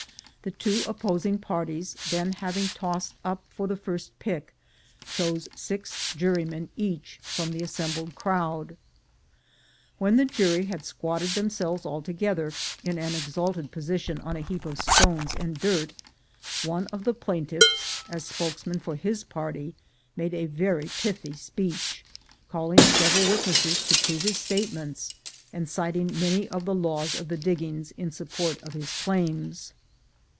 The two opposing parties then, having tossed up for the first pick, chose six jury men each from the assembled crowd. When the jury had squatted themselves all together in an exalted position on a heap of stones and dirt, one of the plaintiffs, as spokesman for his party, made a very pithy speech, calling several witnesses to prove his statements, and citing many of the laws of the diggings in support of his claims.